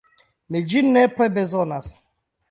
Mi ĝin nepre bezonas.